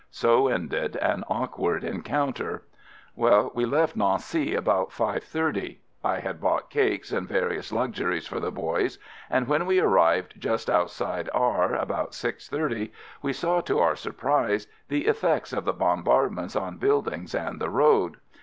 So ended an awkward encounter. Well, we left 114 AMERICAN AMBULANCE Nancy about five thirty (I had bought cakes and various luxuries for the boys), and when we arrived just outside R , about six thirty, we saw to our surprise the effects of the bombardment on buildings and the road.